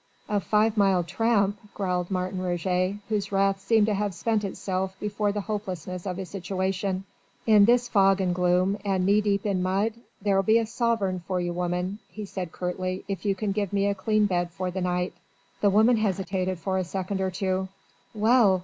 "A five mile tramp," growled Martin Roget, whose wrath seemed to have spent itself before the hopelessness of his situation, "in this fog and gloom, and knee deep in mud.... There'll be a sovereign for you, woman," he added curtly, "if you can give me a clean bed for the night." The woman hesitated for a second or two. "Well!